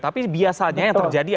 tapi biasanya yang terjadi